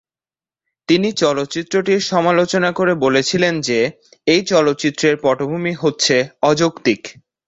তিনি চলচ্চিত্রটির সমালোচনা করে বলেছিলেন যে, "এই চলচ্চিত্রের পটভূমি হচ্ছে 'অযৌক্তিক'"।